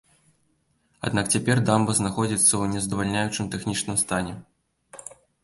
Аднак цяпер дамба знаходзіцца ў нездавальняючым тэхнічным стане.